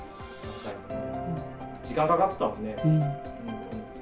時間かかってたもんね。